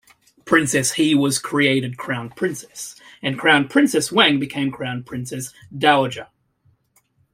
Princess He was created crown princess, and Crown Princess Wang became crown princess dowager.